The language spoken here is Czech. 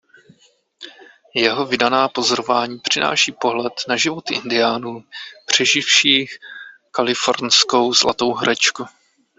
Jeho vydaná pozorování přináší pohled na životy indiánů přeživších Kalifornskou zlatou horečku.